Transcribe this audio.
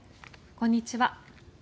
こんにちは。